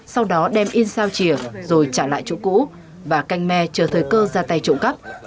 sau đó đem in sao chìa rồi trả lại chủ cũ và canh me chờ thời cơ ra tay trộm cắp